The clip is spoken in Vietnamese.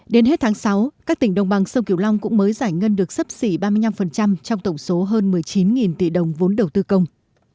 đến hết tháng sáu các tỉnh đồng bằng sông kiều long cũng mới giải ngân được sấp xỉ ba mươi năm trong tổng số hơn một mươi chín tỷ đồng vốn đầu tư công